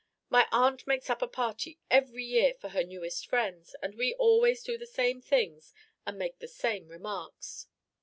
My aunt makes up a party every year, for her newest friends, and we always do the same things and make the same remarks."